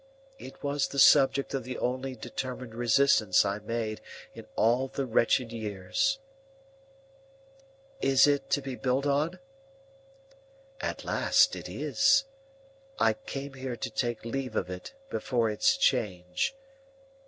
It was the subject of the only determined resistance I made in all the wretched years." "Is it to be built on?" "At last, it is. I came here to take leave of it before its change.